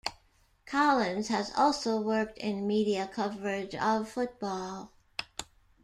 Collins has also worked in media coverage of football.